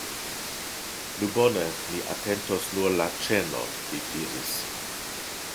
Nu bone, mi atentos nur la ĉenon, li diris.